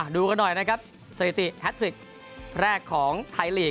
ดูกันหน่อยนะครับสถิติแฮทริกแรกของไทยลีก